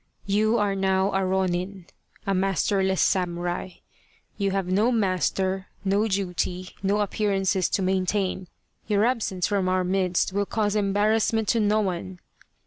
You are now a ronin [a masterless samurai], you have no master, no duty, no appearances to maintain. Your absence from our midst will cause embarrassment to no one.